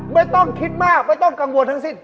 ไม่ต้องคิดมากไม่ต้องกังวลทั้งสิ้น